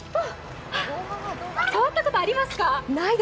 触ったことありますか？